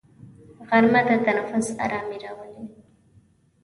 غرمه د تنفس ارامي راولي